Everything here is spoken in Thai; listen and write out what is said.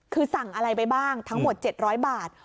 คือสั่งอะไรไปบ้างทั้งหมด๗๐๐บาท